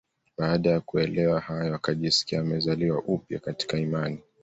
Baada ya kuelewa hayo akajisikia amezaliwa upya katika imani